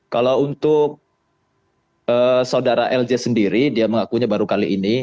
kalau untuk saudara lj sendiri dia mengakunya baru kali ini